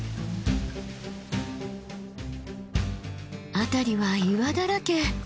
辺りは岩だらけ。